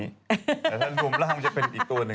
แต่ถ้ารวมร่างมันจะเป็นอีกตัวหนึ่ง